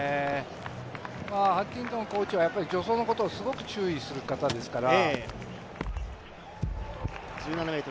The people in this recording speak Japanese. ハンティントンコーチは助走のことをすごく注意する方ですから。